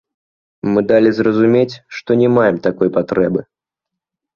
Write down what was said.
Мы далі зразумець, што не маем такой патрэбы.